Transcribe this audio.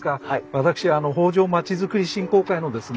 私北条街づくり振興会のですね